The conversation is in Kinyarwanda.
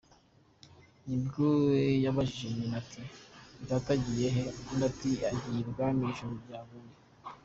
Nibwo yabajije nyina ati :”data agiye he ?”Undi ati :”agiye ibwami ijuru ryaguye”.